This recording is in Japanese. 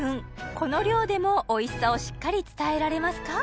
この量でもおいしさをしっかり伝えられますか？